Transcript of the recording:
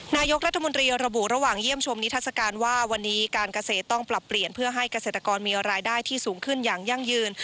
นายกรัฐมนตรีระบุระหว่างเยี่ยมชมนิทัศกาลว่าวันนี้การเกษตรต้องปรับเปลี่ยนเพื่อให้เกษตรกรมีรายได้ที่สูงขึ้นอย่างยั่งยืน